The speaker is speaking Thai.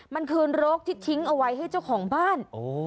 มันคือโรคที่ทิ้งเอาไว้ให้เจ้าของบ้าน